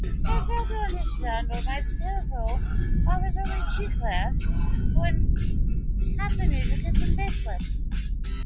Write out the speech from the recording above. The individual titles are "The Shadow Thieves," "The Siren Song," and "The Immortal Fire.